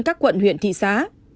các quận huyện thị xá